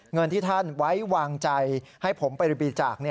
เงินที่ท่านไว้วางใจให้ผมไปบริจาค